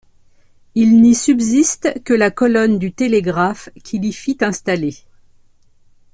Il n'y subsiste que la colonne du télégraphe qu'il y fit installer.